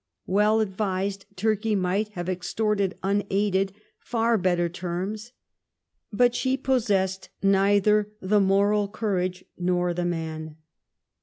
Well advised, Turkey might have extorted, unaided, far better terms. But she possessed neither the moral courage nor the man.